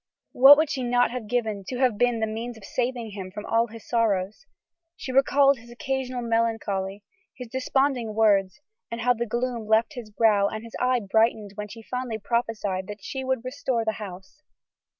What would she not have given to have been the means of saving him from all his sorrows! She recalled his occasional melancholy, his desponding words, and how the gloom left his brow and his eye brightened when she fondly prophesied that she would restore the house.